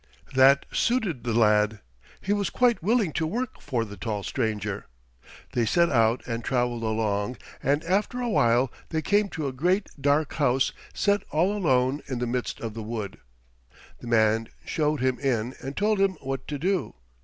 That suited the lad. He was quite willing to work for the tall stranger. They set out and traveled along, and after a while they came to a great dark house set all alone in the midst of the wood. The man showed him in and told him what to do.